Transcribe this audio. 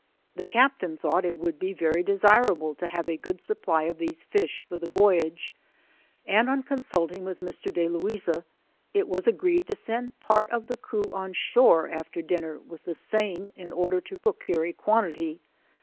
The Captain thought that it would be very desirable to have a good supply of these fish for the voyage, and on consulting with Mr. Delouisa, it was agreed to send part of the crew on shore after dinner with the seine, in order to pro cure a quantity.